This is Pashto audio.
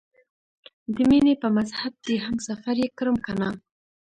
د مینې په مذهب دې هم سفر یې کړم کنه؟